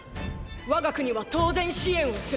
我が国は当然支援をする！